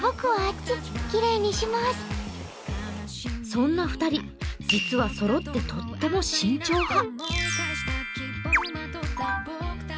そんな二人、実はそろってとても慎重派。